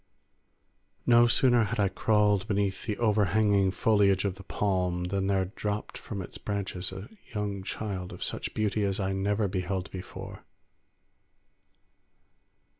No sooner had I crawled beneath the overhanging foliage of the palm, than there dropped from its branches a young child of such beauty as I never beheld before.